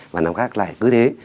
và năm khác lại cứ thế